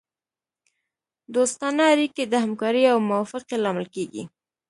دوستانه اړیکې د همکارۍ او موافقې لامل کیږي